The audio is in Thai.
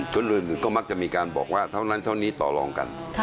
คนอื่นก็มักจะมีการบอกว่าเท่านั้นเท่านี้ต่อลองกัน